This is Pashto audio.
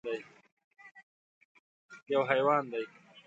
_يو حيوان دی.